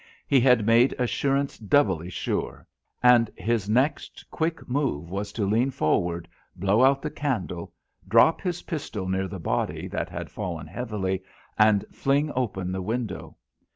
He had made assurance doubly sure, and his next quick move was to lean forward, blow out the candle, drop his pistol near the body, that had fallen heavily, and fling open the window.